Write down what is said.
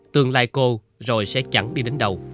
tương lai cô rồi sẽ chẳng đi đến đâu